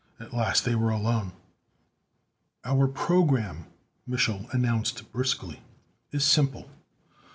At last they were alone. "Our program," Mich'l announced briskly, "is simple.